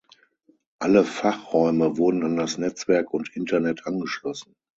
Alle Fachräume wurden an das Netzwerk und Internet angeschlossen.